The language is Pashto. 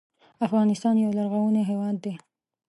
افغانستان یو لرغونی هېواد دی.